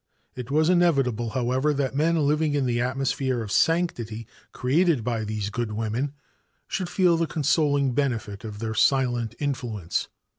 It was inevitable, however, that men living in the atmosphere of sanctity created by these good women should feel the consoling benefit of their silent influence.